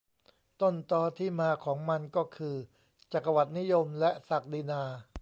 ต้นตอที่มาของมันก็คือ จักรวรรดินิยม และศักดินา